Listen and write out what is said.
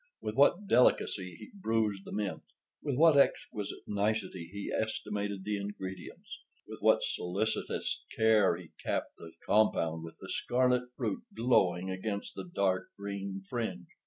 With what delicacy he bruised the mint; with what exquisite nicety he estimated the ingredients; with what solicitous care he capped the compound with the scarlet fruit glowing against the dark green fringe!